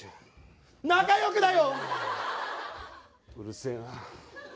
うるせえな。